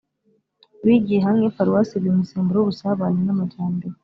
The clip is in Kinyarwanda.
bigiye hamwe, paruwasi iba umusemburo w’ubusabane n’amajyambere.